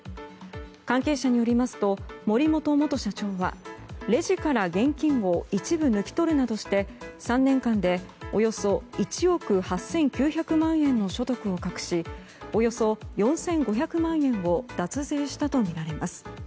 関係者によりますと森本元社長はレジから現金を一部抜き取るなどして３年間でおよそ１億８９００万円の所得を隠しおよそ４５００万円を脱税したとみられます。